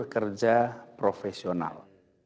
dan membuatnya menjadi karya profesional